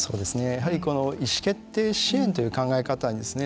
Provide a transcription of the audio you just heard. やはり意思決定支援という考え方ですね